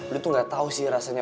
lu tuh gak tau sih rasanya